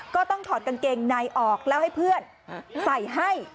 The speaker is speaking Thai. ก็ต้องถอดกางเกงในออกแล้วให้เพื่อนใส่ให้